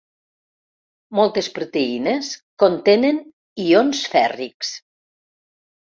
Moltes proteïnes contenen ions fèrrics.